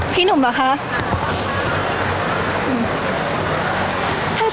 พี่ตอบได้แค่นี้จริงค่ะ